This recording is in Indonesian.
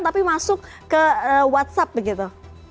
tapi masuk ke whatsapp begitu